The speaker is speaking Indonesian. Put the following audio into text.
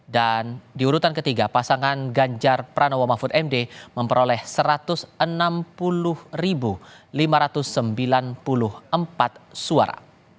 dan diurutan ketiga pasangan ganjar pranowo mafud md memperoleh satu ratus enam puluh lima ratus sembilan puluh empat suara